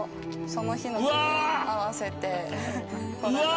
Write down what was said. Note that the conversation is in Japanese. その日の気分に合わせて。